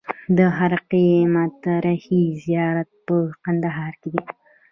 د خرقې مطهرې زیارت په کندهار کې دی